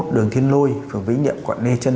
đường thiên lôi phường vĩnh điệm quận lê trân